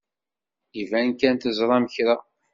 Iban kan teẓram kra.